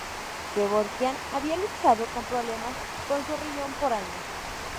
Kevorkian había luchado con problemas con su riñón por años.